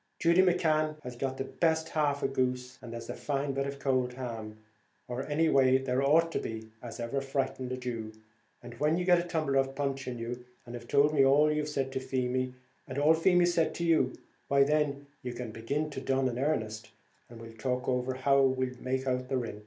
Judy McCan has got the best half of a goose, and there's as fine a bit of cold ham or any way there ought to be as ever frightened a Jew; and when you get a tumbler of punch in you, and have told me all you've said to Feemy, and all Feemy's said to you, why, then you can begin to dun in earnest, and we'll talk over how we'll make out the rint."